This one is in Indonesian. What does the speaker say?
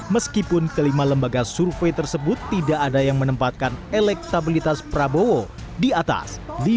meskipun kelima lembaga survei tersebut tidak ada yang menempatkan elektabilitas prabowo di atas lima